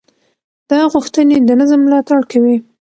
دا غوښتنې د نظم ملاتړ کوي.